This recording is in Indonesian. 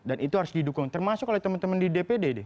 dan itu harus didukung termasuk oleh teman teman di dpd